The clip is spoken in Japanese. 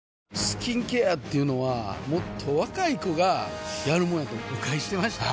スキンケアっていうのはもっと若い子がやるもんやと誤解してました